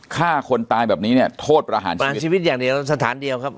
ฆ่าคนตายแบบนี้เนี้ยโทษประหารชีวิตประหารชีวิตอย่างเดียวแล้วสถานเดียวครับ